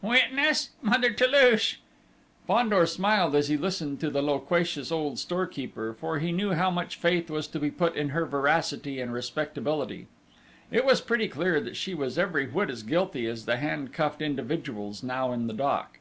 "Witness!... Mother Toulouche!" Fandor smiled as he listened to the loquacious old storekeeper, for he knew how much faith was to be put in her veracity and respectability!... It was pretty clear that she was every whit as guilty as the handcuffed individuals now in the dock.